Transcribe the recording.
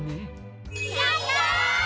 やった！